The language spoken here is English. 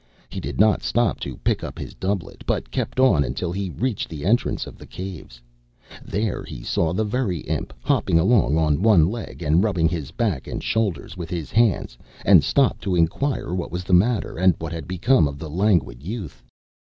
He did not stop to pick up his doublet, but kept on until he reached the entrance of the caves. There he saw the Very Imp hopping along on one leg, and rubbing his back and shoulders with his hands, and stopped to inquire what was the matter, and what had become of the Languid Youth.